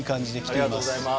ありがとうございます。